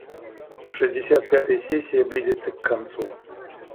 Шестьдесят пятая сессия близится к концу.